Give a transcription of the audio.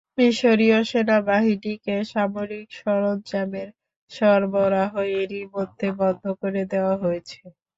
মিসরীয় সেনাবাহিনীকে সামরিক সরঞ্জামের সরবরাহ এরই মধ্যে বন্ধ করে দেওয়া হয়েছে।